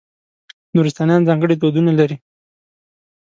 نورستانیان ځانګړي دودونه لري.